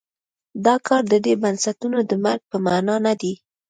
دا کار د دې بنسټونو د مرګ په معنا نه دی.